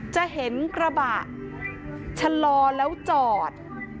จะเห็นกระบะชะลอแล้วจอด